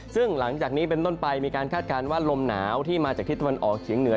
ซึ่งหลังจากนี้เป็นต้นไปมีการคาดการณ์ว่าลมหนาวที่มาจากทิศตะวันออกเฉียงเหนือ